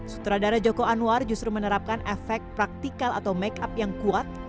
sutradara joko anwar justru menerapkan efek praktikal atau make up yang kuat